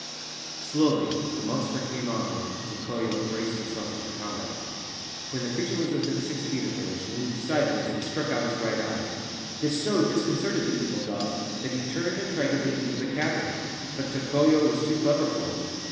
Slowly the monster came on, and Tokoyo braced herself for the combat. When the creature was within six feet of her, she moved sideways and struck out his right eye. This so disconcerted the evil god that he turned and tried to re enter the cavern ; but Tokoyo was too clever for him.